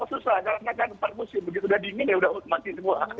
begitu udah dingin ya udah mati semua